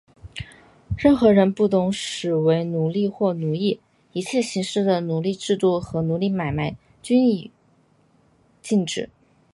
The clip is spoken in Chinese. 任何人不得使为奴隶或奴役;一切形式的奴隶制度和奴隶买卖,均应予以禁止。